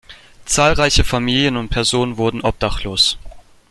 Zahlreiche Familien und Personen wurden obdachlos.